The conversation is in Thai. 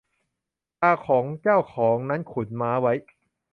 ตาของเจ้าของนั้นขุนม้าไว้